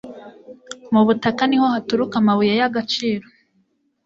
Mu butaka niho haturuka amabuye yagaciro